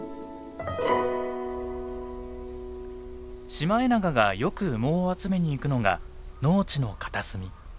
シマエナガがよく羽毛を集めに行くのが農地の片隅。